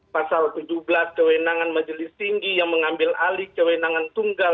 pasal tujuh belas kewenangan majelis tinggi yang mengambil alih kewenangan tunggal